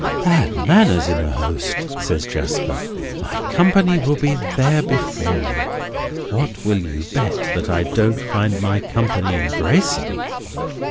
"Bad manners in a host!" says Jasper. "My company will be there before me! What will you bet that I don't find my company embracing?"